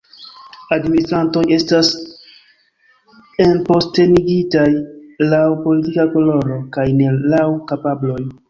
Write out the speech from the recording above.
Administrantoj estas enpostenigitaj laŭ politika koloro, kaj ne laŭ kapabloj.